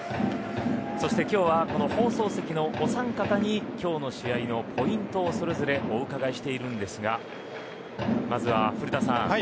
そして今日は放送席のお三方に今日の試合のポイントをそれぞれお伺いしているんですがまずは古田さん。